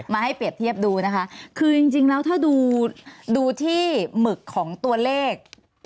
ให้เปรียบเทียบดูนะคะคือจริงแล้วถ้าดูที่หมึกของตัวเลข